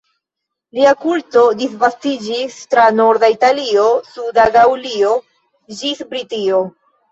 Lia kulto disvastiĝis tra norda Italio, suda Gaŭlio ĝis Britio.